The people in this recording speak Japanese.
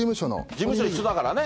事務所一緒だからね。